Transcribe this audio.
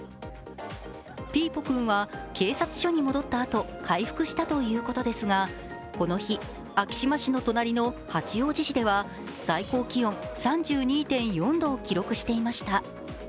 ピーポくんは警察署に戻ったあと回復したということですがこの日、昭島市の隣の八王子市では最高気温３２．４度を記録していました。